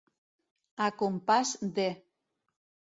A compàs de.